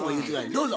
どうぞ。